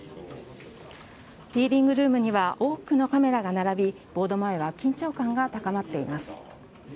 ディーリングルームには多くのカメラが並びボード前は緊張感が高まっています。